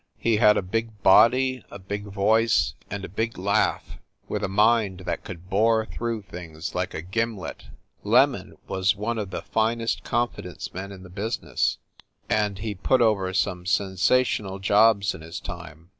He had a big body, a big voice and a big laugh with a mind that could bore through things like a gimlet. "Lemon" was one of the finest confidence men in the business, and he put over some sensational jobs in his time.